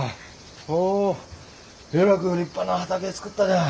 おおえらく立派な畑作ったじゃん。